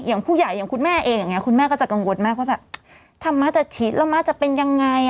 อย่างผู้ใหญ่อย่างคุณแม่เองอย่างนี้คุณแม่ก็จะกังวลมากว่าแบบธรรมะจะฉีดแล้วม้าจะเป็นยังไง